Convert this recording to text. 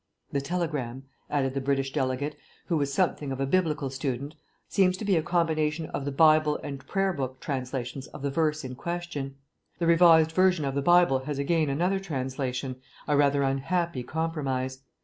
"The telegram," added the British delegate, who was something of a biblical student, "seems to be a combination of the Bible and Prayer Book translations of the verse in question. The Revised Version of the Bible has again another translation, a rather unhappy compromise.